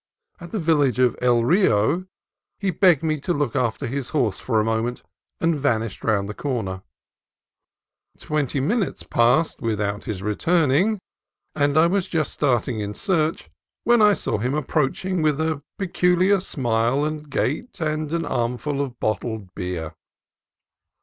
At the village of El Rio he begged me to look after his horse for a moment, and vanished round a corner. Twenty minutes passed without his returning, and I was just starting in search when I saw him approach ing with a peculiar smile and gait and an armful of bottled beer.